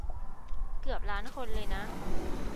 เกือบล้านคนเลยนะ